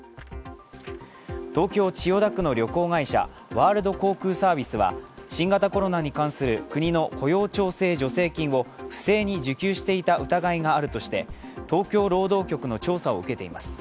東京・千代田区の旅行会社、ワールド航空サービスは新型コロナに関する国の雇用調整助成金を不正に受給していた疑いがあるとして、東京労働局の調査を受けています。